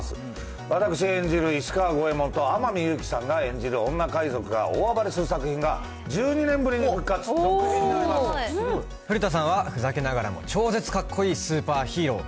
私演じる石川五右衛門と、天海祐希さんが演じる女海賊が大暴れする作品が、古田さんはふざけながらも超絶かっこいいスーパーヒーロー。